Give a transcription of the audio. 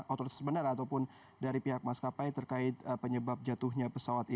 otoritas bandara ataupun dari pihak maskapai terkait penyebab jatuhnya pesawat ini